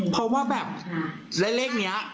เพราะว่าแบบและเลขนี้